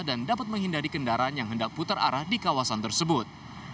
dan dapat menghindari kendaraan yang hendak putar arah di kawasan tersebut